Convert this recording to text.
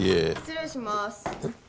失礼します。